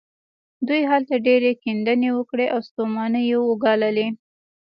دوی هلته ډېرې کيندنې وکړې او ستومانۍ يې وګاللې.